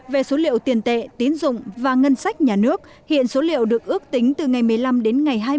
về số liệu tiền tệ tín dụng và ngân sách nhà nước hiện số liệu được ước tính từ ngày một mươi năm đến ngày hai mươi